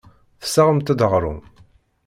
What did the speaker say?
Tessaɣemt-d aɣrum.